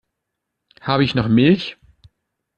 Habe ich noch Milch?